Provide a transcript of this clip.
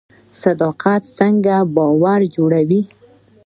صداقت څنګه باور جوړوي؟